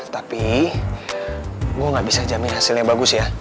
tapi gue gak bisa jamin hasilnya bagus ya